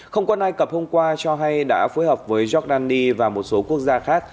không quân ai cập hôm qua cho hay đã phối hợp với giordani và một số quốc gia khác